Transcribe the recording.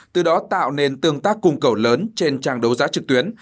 từ đó tạo nên tương tác cung cầu lớn trên trang đấu giá trực tuyến